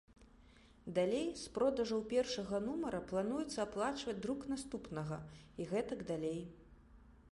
Далей з продажаў першага нумара плануецца аплачваць друк наступнага, і гэтак далей.